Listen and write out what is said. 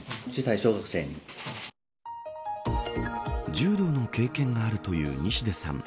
柔道の経験があるという西出さん